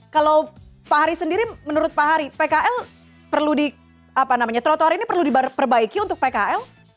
kalau pak hari sendiri menurut pak hari pkl perlu di apa namanya trotoar ini perlu diperbaiki untuk pkl